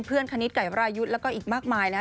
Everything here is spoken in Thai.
เพื่อนคณิตไก่วรายุทธ์แล้วก็อีกมากมายนะ